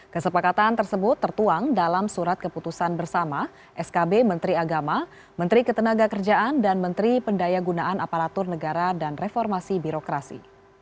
kesepakatan tersebut tertuang dalam surat keputusan bersama skb menteri agama menteri ketenaga kerjaan dan menteri pendaya gunaan aparatur negara dan reformasi birokrasi